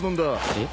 えっ？